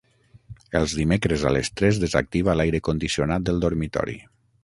Els dimecres a les tres desactiva l'aire condicionat del dormitori.